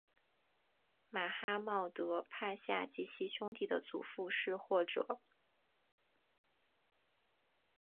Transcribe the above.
马哈茂德帕夏及其兄弟的祖父是或者。